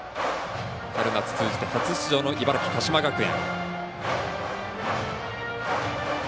春夏通じて初出場の茨城、鹿島学園。